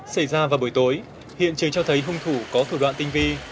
xảy ra vào buổi tối hiện trường cho thấy hung thủ có thủ đoạn tinh vi